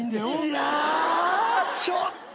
いやちょっと。